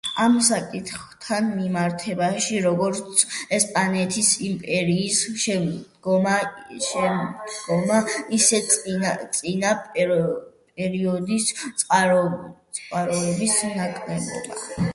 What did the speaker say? ამ საკითხთან მიმართებაში, როგორც ესპანეთის იმპერიის შემდგომი, ისე წინა პერიოდის წყაროების ნაკლებობაა.